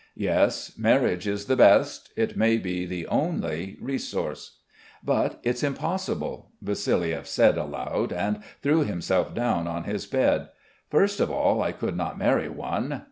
Yes, marriage is the best, it may be the only, resource. "But it's impossible," Vassiliev said aloud and threw himself down on his bed. "First of all, I could not marry one.